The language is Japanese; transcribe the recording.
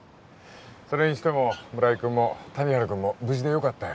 それにしても村井君も谷原君も無事でよかったよ